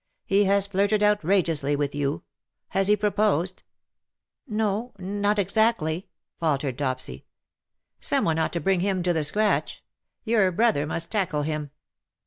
He has flirted outrageously with you. Has he proposed?" " No not exactly,'^ faltered Dopsy. " Some one ought to bring him to the scratch. Your brother must tackle him."